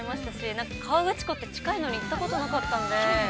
なんか河口湖って近いのに行ったことがなかったので。